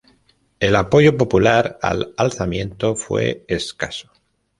El apoyo popular al alzamiento fue escaso.